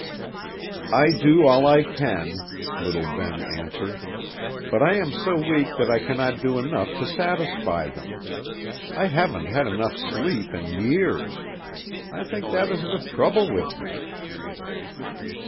"I do all I can," little Ben answered, "but I am so weak that I cannot do enough to satisfy them. I haven't had enough sleep in years: I think that is the trouble with me."